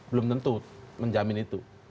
belum tentu menjamin itu